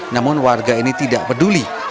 namun warga ini tidak peduli